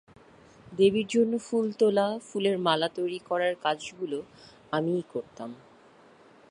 দেবীর জন্য ফুল তোলা, ফুলের মালা তৈরি করার কাজগুলো আমিই করতাম।